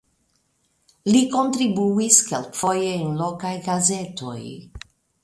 Li kontribuis kelkfoje en lokaj gazetoj.